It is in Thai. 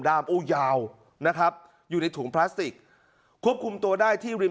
โอ้ยาวนะครับอยู่ในถุงพลาสติกควบคุมตัวได้ที่ริม